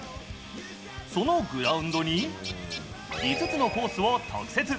そのグラウンドに５つのコースを特設。